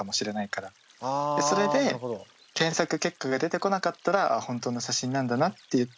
それで検索結果が出てこなかったら本当の写真なんだなっていう。